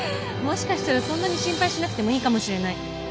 もしかしたらそんなに心配しなくてもいいかもしれない。